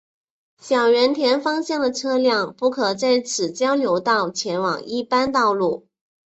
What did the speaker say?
小田原方向的车辆不可在此交流道前往一般道路。